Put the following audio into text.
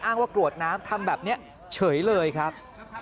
ว่ากรวดน้ำทำแบบนี้เฉยเลยครับ